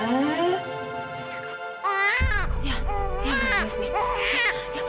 ya ya jangan nangis nih